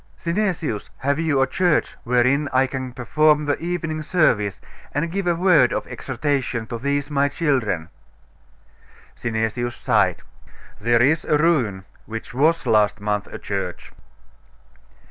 Synesius, have you a church wherein I can perform the evening service, and give a word of exhortation to these my children?' Synesius sighed. 'There is a ruin, which was last month a church.